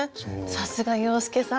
さすが洋輔さん！